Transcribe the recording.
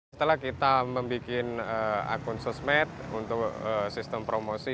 setelah kita membuat akun sosmed untuk sistem promosi